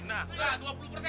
nah dua puluh persen dah